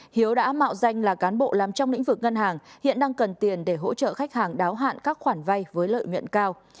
hiếu đã mạo danh là cán bộ làm trong lĩnh vực ngân hàng hiện đang cần tiền để hỗ trợ khách hàng đáo hạn các khoản vay với lợi nhuận cao